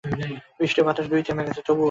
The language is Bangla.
বৃষ্টি ও বাতাস দুই-ই থেমে গেছে, তবুও।